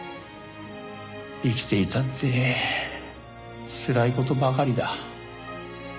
生きていたってつらい事ばかりだ。